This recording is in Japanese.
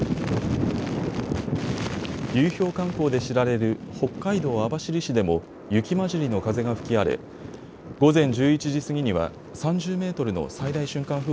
流氷観光で知られる北海道網走市でも雪交じりの風が吹き荒れ午前１１時過ぎには、３０メートルの最大瞬間